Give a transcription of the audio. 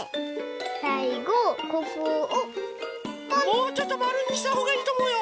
もうちょっとまるにしたほうがいいとおもうよ。